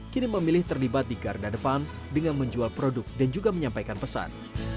kini memilih terlibat di garda depan dengan menjual produk dan juga menyampaikan pesan